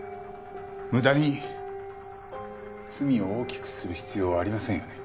無駄に罪を大きくする必要はありませんよね。